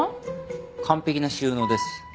完璧な収納です。